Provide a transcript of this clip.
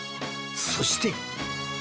そして